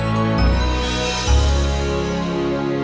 sampai jumpa lagi